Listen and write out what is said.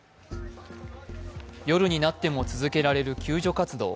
夜になっても続けられる救助活動。